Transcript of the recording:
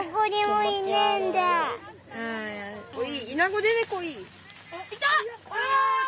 いた！